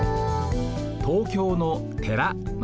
東京の寺町。